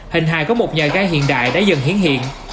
hình hài của một nhà ga hiện đại đã dần hiến hiện